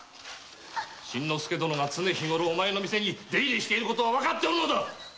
真之介殿がお前の店に出入りしている事は分かっておる。